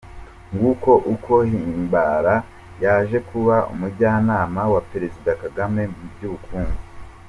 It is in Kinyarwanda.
Nguko uko Himbara yaje kuba umujyanama wa Perezida Kagame mu by’ubukungu.